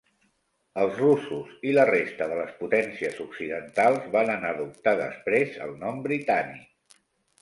Els russos i la resta de les potències occidentals varen adoptar després el nom britànic.